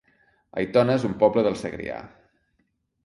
Aitona es un poble del Segrià